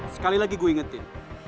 sekali lagi gue ingetin